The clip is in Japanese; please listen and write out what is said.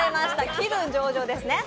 「気分上々↑↑」ですね。